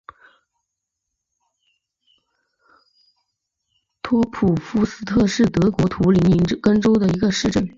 托普夫斯特是德国图林根州的一个市镇。